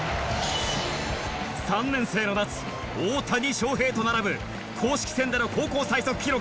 ３年生の夏大谷翔平と並ぶ公式戦での高校最速記録